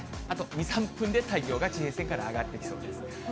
あと２、３分で太陽が地平線から上がってきそうです。